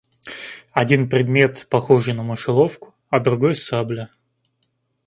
Один предмет, похожий на мышеловку, а другой сабля.